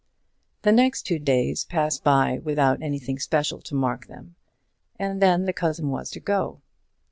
The next two days passed by without anything special to mark them, and then the cousin was to go.